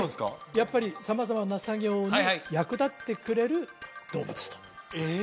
やっぱり様々な作業に役立ってくれる動物とえっ？